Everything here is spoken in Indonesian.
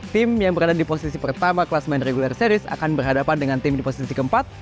tim yang berada di posisi pertama kelas main regular series akan berhadapan dengan tim di posisi keempat